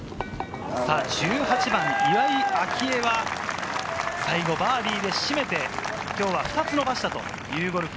１８番、岩井明愛は最後バーディーで締めて、きょうは２つ伸ばしたというゴルフ。